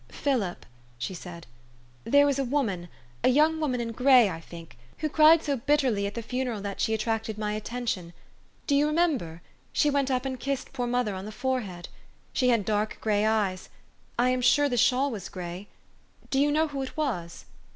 "Philip," she said, " there was a woman, a young woman in gray, I think, who cried so bitterly at the funeral, that she attracted my attention. Do yo remember ? She went up and kissed poor mother on the forehead/ She had dark eyes ; and I am sure the shawl was gray. Do you know who it was?